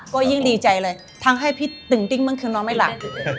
ก็ยิ่งดีใจเลยทั้งให้พี่ตึงติ้งเมื่อคืนนอนไม่หลับ